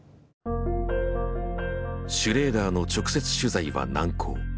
シュレーダーの直接取材は難航。